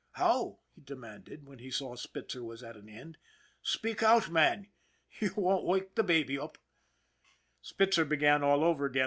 " How ?" he demanded, when he saw Spitzer was at an end. " Speak out, man. You won't wake the baby up." SPITZER 71 Spitzer began all over again.